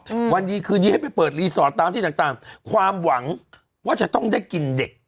อืมวันดีคืนนี้ให้ไปเปิดรีสอร์ทตามที่ต่างต่างความหวังว่าจะต้องได้กินเด็ก